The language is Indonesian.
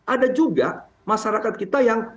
ada juga masyarakat kita yang